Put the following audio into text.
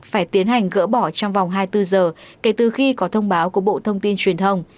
phải tiến hành gỡ bỏ trong vòng hai mươi bốn giờ kể từ khi có thông báo của bộ thông tin truyền thông